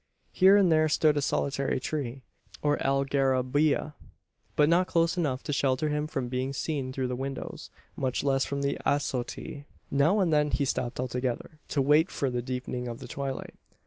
Here and there stood a solitary tree dwarf oak or algarobia, but not close enough to shelter him from being seen through the windows much less from the azotea. Now and then he stopped altogether to wait for the deepening of the twilight.